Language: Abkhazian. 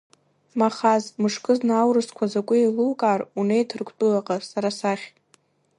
Махаз, мышкызны аурысқәа закәу еилукаар, унеи Ҭырқәтәылаҟа, сара сахь.